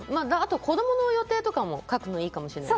子供の予定とか書くのもいいかもしれない。